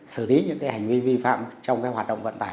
xử lý những cái hành vi vi phạm trong cái hoạt động vận tải